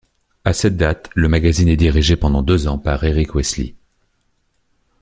À cette date, le magazine est dirigé pendant deux ans par Eric Hoesli.